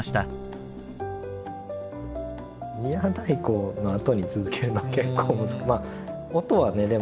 「宮太鼓」のあとに続けるのは結構。